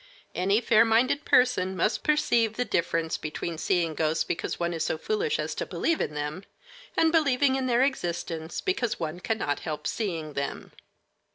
Any fair minded person must perceive the difference between seeing ghosts because one is so foolish as to believe in them, and believing in their existence because one cannot help seeing them.